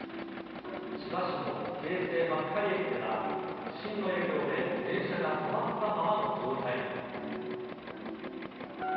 千葉市の京成幕張駅では、地震の影響で電車が止まったままの状態に。